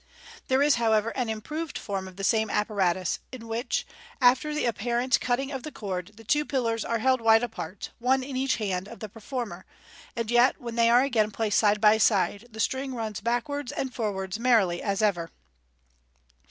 There is, however, an improved form of the same apparatus, in which, after the apparent cutting of the cord, the two pillars are held wide apart, one in each hand of the performer, and yet, when they are again placed side by side, the string runs back wards and forwards merrily as ever.